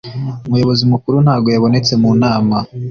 umuyobozi mukuru ntago yabonetse mu nama